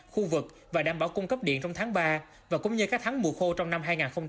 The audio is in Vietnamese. khu vực và đảm bảo cung cấp điện trong tháng ba và cũng như các tháng mùa khô trong năm hai nghìn hai mươi bốn